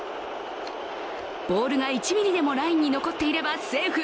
ボールが１ｍｍでもラインに残っていればセーフ。